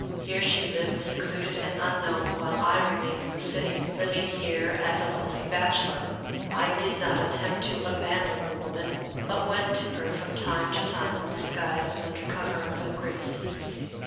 Here she lived secluded and unknown while I remained in the city, living here as a wealthy bachelor, " I did not attempt to abandon the woman, but went to her from time to time in disguise and under cover of the greatest secrecy.